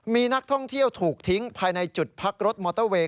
มีนักท่องเที่ยวถูกทิ้งภายในจุดพักรถมอเตอร์เวย